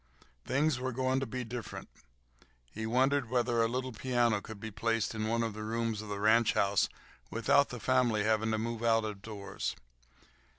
Things were going to be different. He wondered whether a little piano could be placed in one of the rooms of the ranch house without the family having to move out of doors.